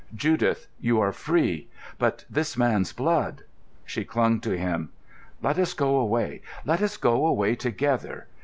"Judith, you are free. But this man's blood——" She clung to him. "Let us go away, let us go away together.